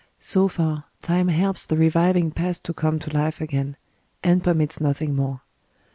So far, time helps the reviving past to come to life again and permits nothing more.